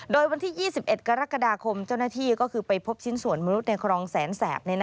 โดยวันที่๒๑กรกฎาคมเจ้าหน้าที่ก็คือไปพบชิ้นส่วนมนุษย์ในครองแสนแสบ